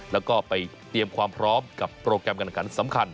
แล้วก็ไปเตรียมความพร้อมกับโปรแกรมการขันสำคัญ